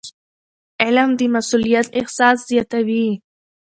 علم د مسؤلیت احساس زیاتوي.